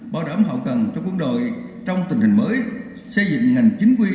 bảo đảm hậu cần cho quân đội trong tình hình mới xây dựng ngành chính quy